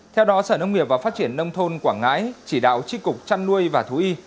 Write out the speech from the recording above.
theo đó sở nông nghiệp và phát triển nông thôn quảng ngãi chỉ đạo tri cục chăn nuôi và thú y